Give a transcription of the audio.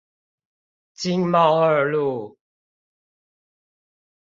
經貿二路